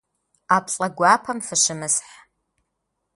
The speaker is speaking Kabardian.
Ӏэплӏэ гуапэм фыщымысхь.